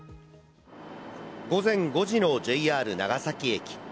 午前５時のＪＲ長崎駅。